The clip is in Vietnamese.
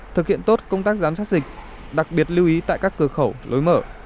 thực hiện tốt công tác giám sát dịch đặc biệt lưu ý tại các cửa khẩu lối mở